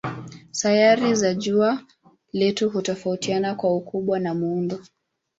Sayari za jua letu hutofautiana kwa ukubwa na muundo.